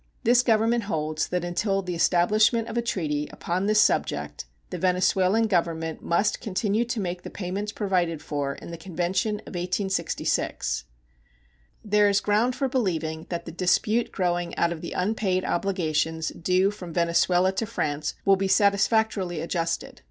This Government holds that until the establishment of a treaty upon this subject the Venezuelan Government must continue to make the payments provided for in the convention of 1866. There is ground for believing that the dispute growing out of the unpaid obligations due from Venezuela to France will be satisfactorily adjusted.